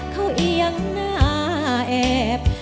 เขาเอียงหน้าแอบ